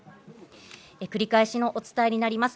繰り返しのお伝えになります。